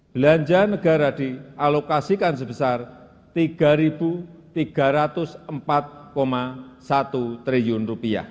belanja negara dialokasikan sebesar rp tiga tiga ratus empat satu triliun